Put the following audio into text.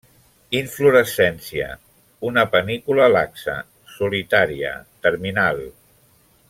Inflorescència una panícula laxa, solitària, terminal.